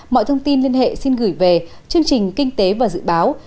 mọi thông tin liên hệ xin gửi về chương trình kinh tế và dự báo